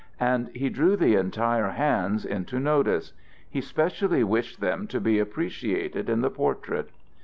And he drew the entire hands into notice; he specially wished them to be appreciated in the portrait.